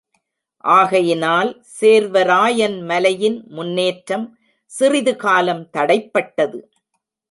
ஆகையினால் சேர்வராயன் மலையின் முன்னேற்றம் சிறிது காலம் தடைப்பட்டது.